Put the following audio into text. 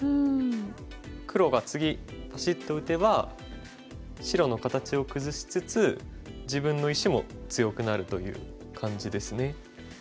黒が次パシッと打てば白の形を崩しつつ自分の石も強くなるという感じですね。